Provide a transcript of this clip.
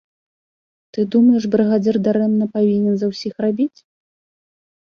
Ты думаеш, брыгадзір дарэмна павінен за ўсіх рабіць?